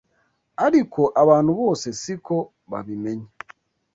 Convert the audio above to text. ariko abantu bose siko babimenya